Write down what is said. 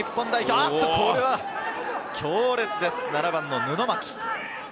これは強烈です、７番の布巻。